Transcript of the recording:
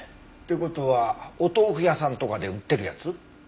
という事はお豆腐屋さんとかで売ってるやつ？